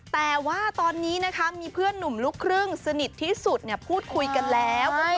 แต่ว่าตอนนี้นะคะมีเพื่อนหนุ่มลูกครึ่งสนิทที่สุดพูดคุยกันแล้ว